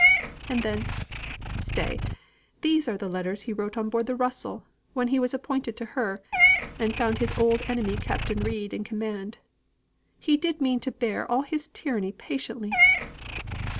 And then stay! these are the letters he wrote on board the Russell. When he was appointed to her, and found his old enemy Captain Reid in command, he did mean to bear all his tyranny patiently.